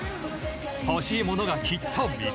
欲しいものがきっと見つかる。